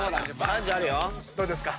どうですか？